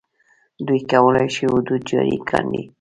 دوی کولای شي حدود جاري کاندي.